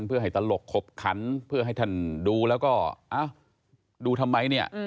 เพื่อให้ตลกขบขันเพื่อให้ท่านดูแล้วก็ดูทำไมเนี่ย